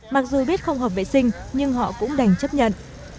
mặc dù biết không hợp vệ sinh nhưng họ cũng đành chấp nhận